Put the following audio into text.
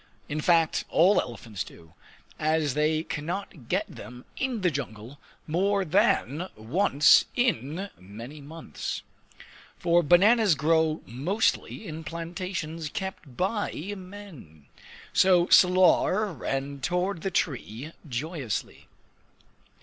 In fact, all elephants do, as they cannot get them in the jungle more than once in many months; for bananas grow mostly in plantations kept by men. So Salar ran toward the tree joyously.